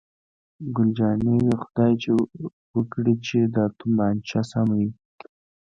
ګل جانې: خدای دې وکړي چې دا تومانچه سمه وي.